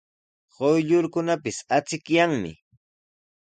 Quyllurkunapis achikyanmi.